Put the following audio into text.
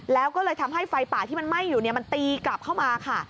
แล้วก็เลยทำให้ไฟป่าที่มันไหม้อยู่มันตีกลับเข้ามาค่ะ